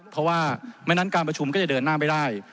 เพราะว่าไม่งั้นการประชุมก็จะเดินหน้าไม่ได้